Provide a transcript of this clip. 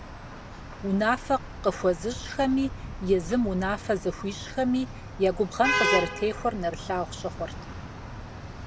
Унафэ къыхуэзыщӏхэми, езым унафэ зыхуищӏхэми я губгъэн къызэрытехуэр нэрылъагъу щыхъурт.